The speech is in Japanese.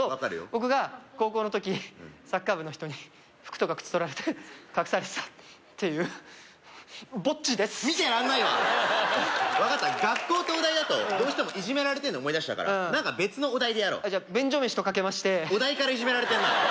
僕が高校の時サッカー部の人に服とか靴とられて隠されてたっていうぼっちです見てらんないわ分かった学校ってお題だとどうしてもいじめられてんの思い出しちゃうから何か別のお題でやろうじゃ便所飯と掛けましてお題からいじめられてんな